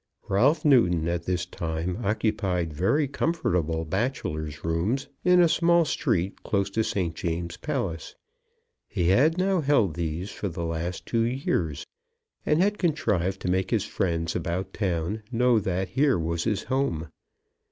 Ralph Newton at this time occupied very comfortable bachelor's rooms in a small street close to St. James's Palace. He had now held these for the last two years, and had contrived to make his friends about town know that here was his home.